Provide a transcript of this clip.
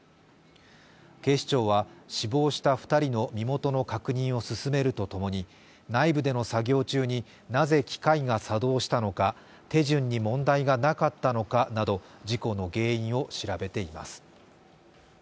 警視庁は死亡した２人の身元の確認を進めると共に、内部での作業中になぜ機械が作動したのか、手順に問題がなかったのかなど事故の原因を調べています。